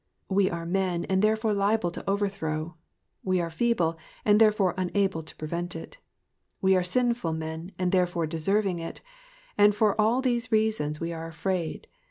We are men, and therefore liable to overthrow ; we are feeble, and therefore unable to prevent it ; we are sinful men, and therefore deserving it, and for all these reasons we are afraid.